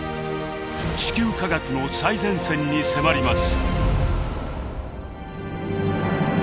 地球科学の最前線に迫ります。